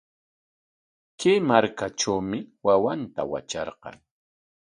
Kay markatrawmi wawanta watrarqan.